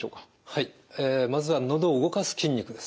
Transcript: はいまずはのどを動かす筋肉です。